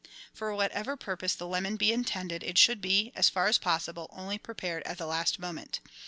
For whatever purpose the lemon be intended, it should be, as far as possible, only prepared at the last moment.